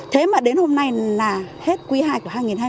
thế mà đến hôm nay là hết quý hai của hai nghìn hai mươi